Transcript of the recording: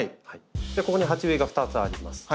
ここに鉢植えが２つあります。